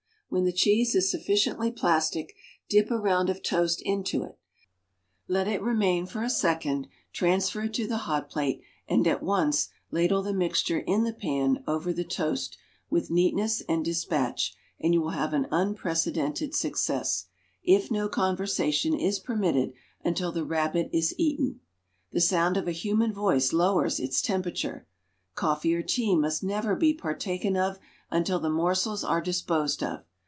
When the cheese is sufficiently plastic, dip a round of toast into it, let it remain for a second, transfer it to the hot plate and at once ladle the mixture in the pan over the toast with rteatness and dispatch and you will have an unprecedented success, if no conversation is permitted until the rabbit is eaten. The sound of a human voice lowers its temperature. Coffee or tea must never be partaken of until the morsels are disposed of.